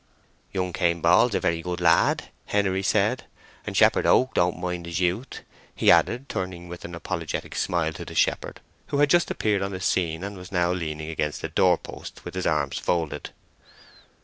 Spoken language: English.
"Young Cain Ball is a very good lad," Henery said, "and Shepherd Oak don't mind his youth?" he added, turning with an apologetic smile to the shepherd, who had just appeared on the scene, and was now leaning against the doorpost with his arms folded.